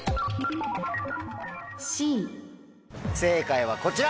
正解はこちら。